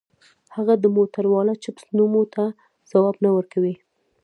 هغه د موټورولا چپس نومونو ته ځواب نه ورکوي